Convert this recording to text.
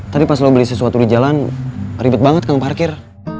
tapi pas lo beli sesuatu di jalan ribet banget kan parkir